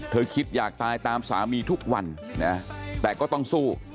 คิดอยากตายตามสามีทุกวันนะแต่ก็ต้องสู้